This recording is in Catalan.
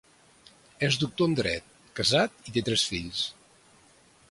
És doctor en Dret, casat i té tres fills.